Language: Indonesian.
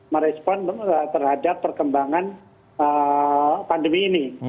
merespon terhadap perkembangan pandemi ini